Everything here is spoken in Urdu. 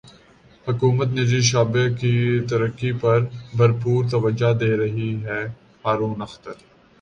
حکومت نجی شعبے کی ترقی پر بھرپور توجہ دے رہی ہے ہارون اختر